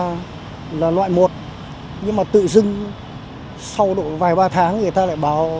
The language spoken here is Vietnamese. nó là loại một nhưng mà tự dưng sau đội vài ba tháng người ta lại bảo